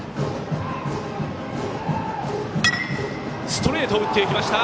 ストレートを打っていきました！